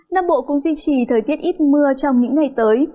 nam bộ cũng duy trì thời tiết ít mưa trong những ngày tới